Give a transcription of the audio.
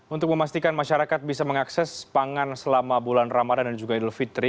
untuk memastikan masyarakat bisa mengakses pangan selama bulan ramadan dan juga idul fitri